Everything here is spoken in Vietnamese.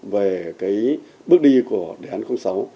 về bước đi của đề án sáu